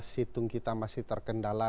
situng kita masih terkendala